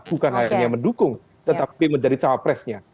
bukan hanya mendukung tetapi menjadi cawapresnya